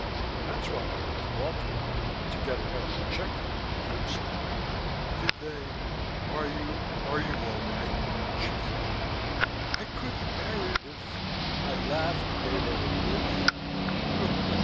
That's why I went to Baltimore, to get a mental check up at the Phipps Clinic." "Did they Are you Are you all right?" she faltered. "I couldn't bear it if " I laughed and gave her a good hug.